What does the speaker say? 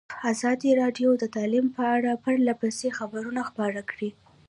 ازادي راډیو د تعلیم په اړه پرله پسې خبرونه خپاره کړي.